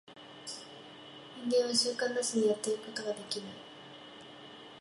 人間は習慣なしにやってゆくことができぬ。